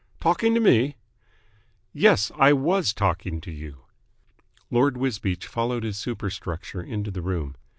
"Talking to me?" "Yes, I was talking to you." Lord Wisbeach followed his superstructure into the room.